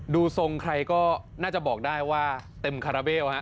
ดูทรงใครก็น่าจะบอกได้ว่าเต็มคาราเบลฮะ